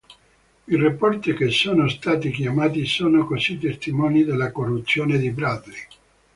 I reporter che sono stati chiamati sono così testimoni della corruzione di Bradley.